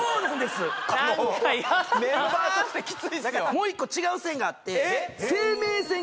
もう１個違う線があって・